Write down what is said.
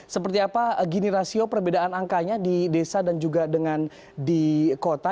seperti apa gini rasio perbedaan angkanya di desa dan juga dengan di kota